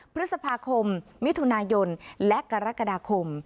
พฤษภาคมมิถุนายนและกรกฎาคม